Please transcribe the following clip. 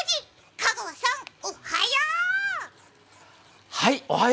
香川さん、おっはよ！